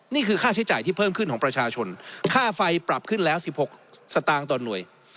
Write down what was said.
นี่คือค่าใช้จ่ายที่เพิ่มขึ้นของประชาชนค่าไฟปรับขึ้นแล้ว๑๖สตางค์ต่อหน่วย